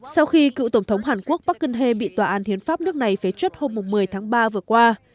sau khi cựu tổng thống hàn quốc park geun hye bị tòa án hiến pháp nước này phế chuất hôm một mươi tháng ba vừa qua